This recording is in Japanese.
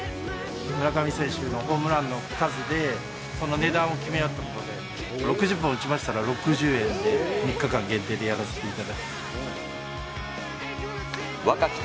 村上選手のホームランの数で、その値段を決めようということで、６０本打ちましたら６０円で、３日間限定でやらせていただく。